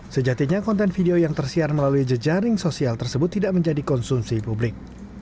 sejatinya konten video yang tersiar melalui jejaring sosial tersebut tidak menjadi konsumsi publik